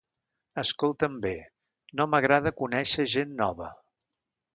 Escolta’m bé, no m’agrada conéixer gent nova!